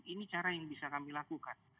ini cara yang bisa kami lakukan